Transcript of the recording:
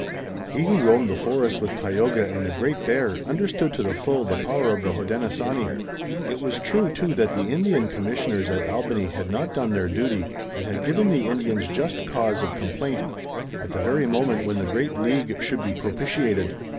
He who roamed the forest with Tayoga and the Great Bear understood to the full the power of the Hodenosaunee. It was true, too, that the Indian commissioners at Albany had not done their duty and had given the Indians just cause of complaint, at the very moment when the great League should be propitiated.